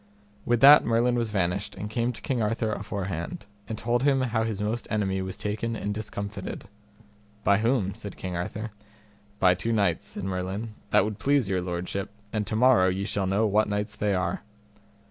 With that Merlin was vanished, and came to King Arthur aforehand, and told him how his most enemy was taken and discomfited. By whom? said King Arthur. By two knights, said Merlin, that would please your lordship, and to morrow ye shall know what knights they are.